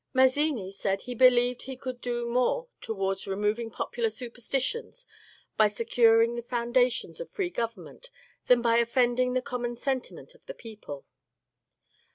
Mazzini said he believed he could do more to wards removing popular superstitions by securing the foun GARIBALDI AND MAZZINI 61 dations of free government than by offending the common sentiment of the people.